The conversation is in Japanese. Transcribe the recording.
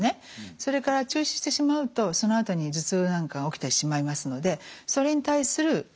それから中止してしまうとそのあとに頭痛なんかが起きてしまいますのでそれに対する対処。